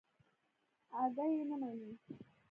اگه يې نه مني.